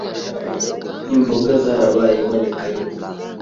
imboga zarabaye imboneka rimwe.